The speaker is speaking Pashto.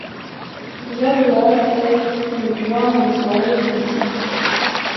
د یاد ولایت د نورګرام ولسوالۍ پولیسو